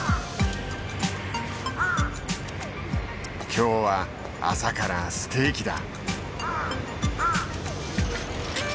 今日は朝からステーキだ。